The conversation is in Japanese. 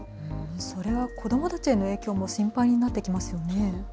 それは子どもたちへの影響も心配になってきますよね。